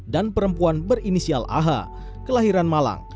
dan perempuan berinisial aha kelahiran malang